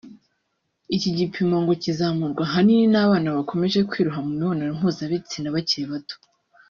Iki gipimo ngo kizamurwa ahanini n’abana bakomeje kwiroha mu mibinano mpuzabitsina bakiri bato